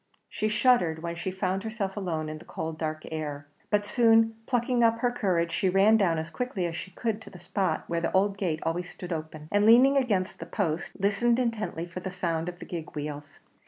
She shuddered when she found herself alone in the cold dark air; but soon plucking up her courage, she ran down as quickly as she could to the spot where the old gate always stood open, and leaning against the post, listened intently for the sound of the gig wheels.